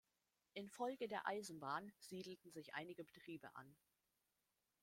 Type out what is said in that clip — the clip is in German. Infolge der Eisenbahn siedelten sich einige Betriebe an.